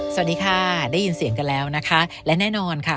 สวัสดีค่ะได้ยินเสียงกันแล้วนะคะและแน่นอนค่ะ